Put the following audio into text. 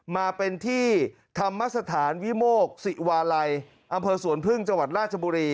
มาเป็นที่ธรรมสถานวิโมกศิวาลัยอำเภอสวนพึ่งจังหวัดราชบุรี